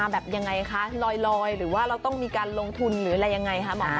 แบบยังไงคะลอยหรือว่าเราต้องมีการลงทุนหรืออะไรยังไงคะหมอ